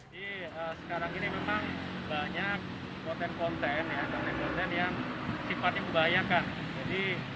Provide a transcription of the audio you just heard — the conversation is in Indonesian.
jadi sekarang ini memang banyak konten konten ya konten konten yang sifatnya membahayakan jadi